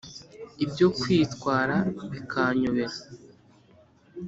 ibyo kwitwara bikanyobera